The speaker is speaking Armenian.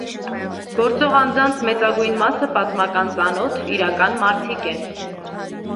Գործող անձանց մեծագույն մասը պատմական ծանոթ, իրական մարդիկ են։